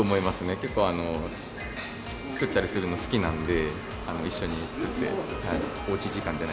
結構、作ったりするの好きなんで、一緒に作って、おうち時間じゃな